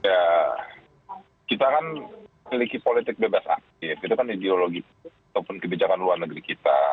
ya kita kan memiliki politik bebas aktif itu kan ideologi ataupun kebijakan luar negeri kita